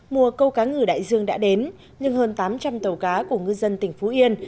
mùa câu cá ngừ đại dương đã đến nhưng hơn tám trăm linh tàu cá của ngư dân tỉnh phú yên